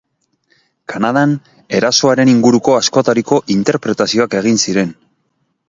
Kanadan erasoaren inguruko askotariko interpretazioak egin ziren.